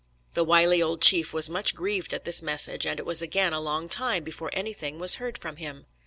The wily old chief was much grieved at this message, and it was again a long time before anything was heard from him.